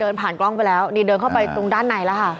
เดินผ่านกล้องไปแล้วนี่เดินเข้าไปตรงด้านในแล้วค่ะ